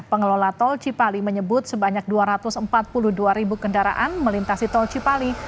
pengelola tol cipali menyebut sebanyak dua ratus empat puluh dua ribu kendaraan melintasi tol cipali